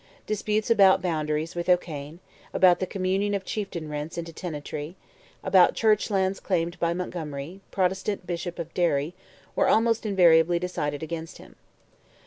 Disputes about boundaries with O'Cane, about the commutation of chieftain rents into tenantry, about church lands claimed by Montgomery, Protestant Bishop of Derry, were almost invariably decided against him.